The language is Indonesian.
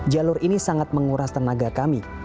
jalur ini sangat menguras tenaga kami